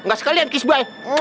gak sekalian kisbahnya